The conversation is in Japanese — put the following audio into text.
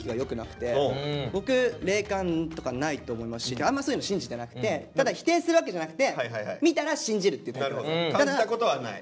僕霊感とかないと思いますしあんまそういうの信じてなくてただ否定するわけじゃなくて感じたことはない？